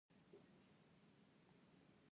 افغانستان د بادام له مخې پېژندل کېږي.